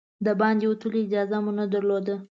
د باندې وتلو اجازه مو نه درلوده.